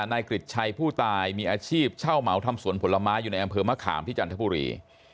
กริจชัยผู้ตายมีอาชีพเช่าเหมาทำสวนผลไม้อยู่ในอำเภอมะขามที่จันทบุรี